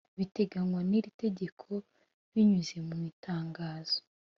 biteganywa n iri tegeko binyuze mu itangazo